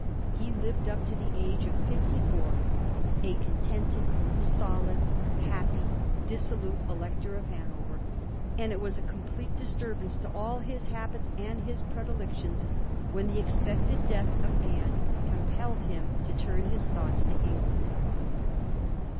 He lived up to the age of fifty four a contented, stolid, happy, dissolute Elector of Hanover ; and it was a complete disturbance to all his habits and his predilections when the expected death of Anne compelled him to turn his thoughts to England.